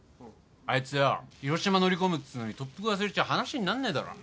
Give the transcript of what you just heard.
あいつよ広島乗り込むっつうのに特服忘れちゃ話になんねえだろ。